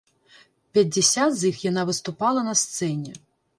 Пяцьдзясят з іх яна выступала на сцэне.